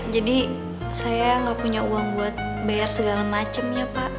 jadi saya gak punya uang buat bayar segala macemnya pak